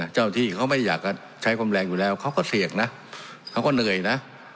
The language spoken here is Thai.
เจ้าที่เขาไม่อยากใช้ความแรงอยู่แล้วเขาก็เสี่ยงนะเขาก็เหนื่อยนะ